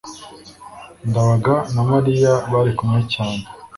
ndabaga na mariya bari kumwe cyane